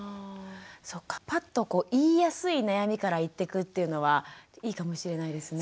そっかパッと言いやすい悩みから言ってくっていうのはいいかもしれないですね。